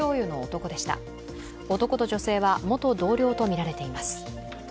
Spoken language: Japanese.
男と女性は元同僚とみられています。